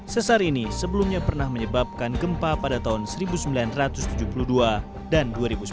sesar ini sebelumnya pernah menyebabkan gempa pada tahun seribu sembilan ratus tujuh puluh dua dan dua ribu sembilan